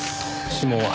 指紋は？